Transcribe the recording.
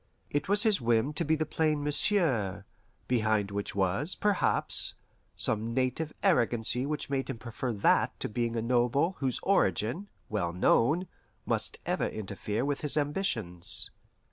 It was his whim to be the plain "Monsieur"; behind which was, perhaps, some native arrogancy which made him prefer that to being a noble whose origin, well known, must ever interfere with his ambitions.